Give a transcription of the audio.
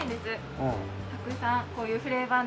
たくさんこういうフレーバーの麦茶を。